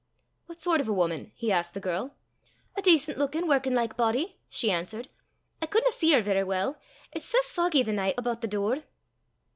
"What sort of a woman?" he asked the girl. "A decent lookin' workin' like body," she answered. "I couldna see her verra weel, it's sae foggy the nicht aboot the door."